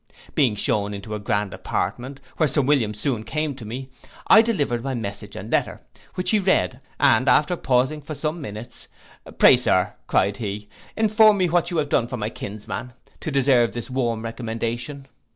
Being shewn into a grand apartment, where Sir William soon came to me, I delivered my message and letter, which he read, and after pausing some minutes, Pray, Sir, cried he, inform me what you have done for my kinsman, to deserve this warm recommendation?